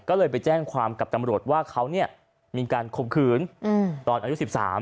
ก็เลยไปแจ้งความกับตำรวจว่าเขาเนี่ยมีการข่มขืนตอนอายุ๑๓